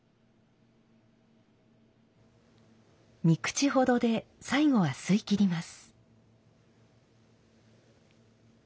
三口ほどで最後は吸いきります。